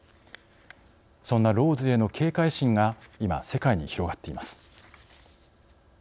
そんなＬＡＷＳへの警戒心が今世界に広がっています。